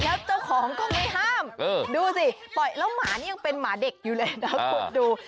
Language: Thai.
แล้วเจ้าของก็ไม่ห้ามดูสิปล่อยแล้วหมานี่ยังเป็นหมาเด็กอยู่เลยนะคุณดู